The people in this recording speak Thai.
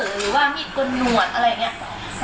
หรือว่ามีดกลหนวดอะไรอย่างนี้